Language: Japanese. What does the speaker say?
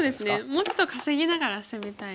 もうちょっと稼ぎながら攻めたい。